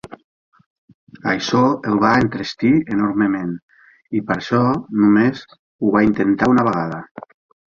Això el va entristir enormement i, per això, només ho va intentar una vegada.